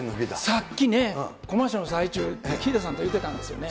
さっきコマーシャルの最中、ヒデさんと言ってたんだよね。